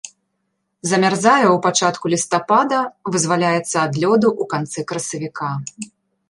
Замярзае ў пачатку лістапада, вызваляецца ад лёду ў канцы красавіка.